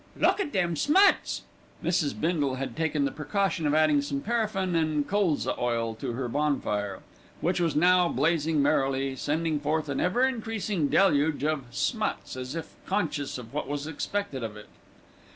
"Look at them smuts." Mrs. Bindle had taken the precaution of adding some paraffin and colza oil to her bonfire, which was now blazing merrily, sending forth an ever increasing deluge of smuts, as if conscious of what was expected of it.